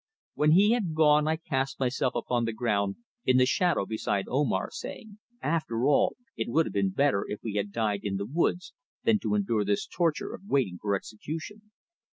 When he had gone I cast myself upon the ground in the shadow beside Omar, saying: "After all, it would have been better if we had died in the woods than to endure this torture of waiting for execution."